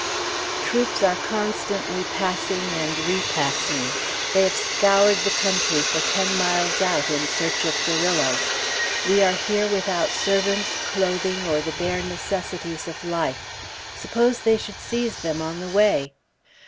Troops are constantly passing and repassing. They have scoured the country for ten miles out, in search of guerrillas. We are here without servants, clothing, or the bare necessaries of life: suppose they should seize them on the way!